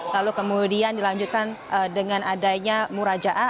lalu kemudian dilanjutkan dengan adanya muraja